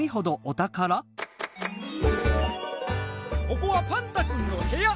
ここはパンタくんのへや。